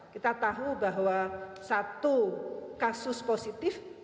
kita tahu bahwa satu kasus positif